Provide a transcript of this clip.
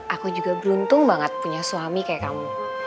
aku juga beruntung banget punya suami kayak kamu